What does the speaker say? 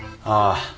ああ。